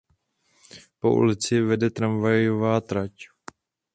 Po ulici vede tramvajová trať.